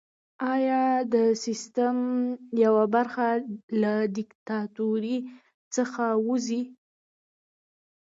ایا د سیستم یوه برخه له دیکتاتورۍ څخه وځي؟